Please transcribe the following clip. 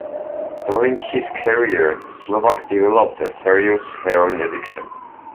During his career, Slovak developed a serious heroin addiction.